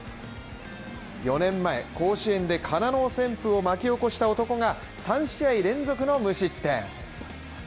４年前、甲子園でカナノウ旋風を巻き起こした男が３試合連続の無失点。